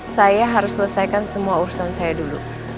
saya harus selesaikan semua urusan saya dulu